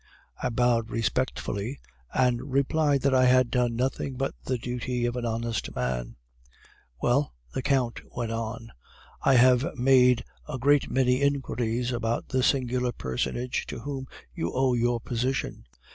"I bowed respectfully, and replied that I had done nothing but the duty of an honest man. "'Well,' the Count went on, 'I have made a great many inquiries about the singular personage to whom you owe your position.